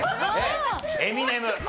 エミネム。